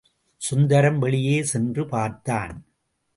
சுந்தரம் வெளியே சென்று பார்த்தான்.